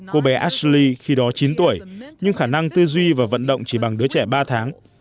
cô bé ashly khi đó chín tuổi nhưng khả năng tư duy và vận động chỉ bằng đứa trẻ ba tháng